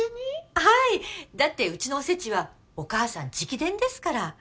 はいだってうちのおせちはお母さん直伝ですから。